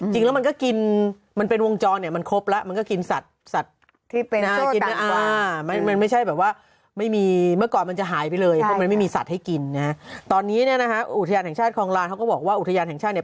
ตอนนี้อุทยานแห่งชาติครองราญเค้าก็บอกว่าอุทยานแห่งชาติ